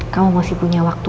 kamu masih punya waktu